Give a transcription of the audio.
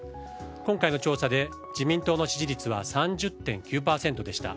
今回の調査で自民党の支持率は３０．９％でした。